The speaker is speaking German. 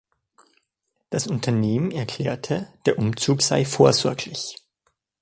Das Unternehmen erklärte, der Umzug sei vorsorglich.